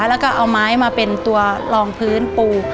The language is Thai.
แล้วก็เอาไม้มาเป็นตัวรองพื้นปู